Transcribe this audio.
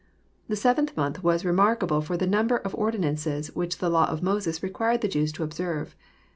The seventh month was remarkable for the number of ordi nances which the law of Moses required the Jews to observe.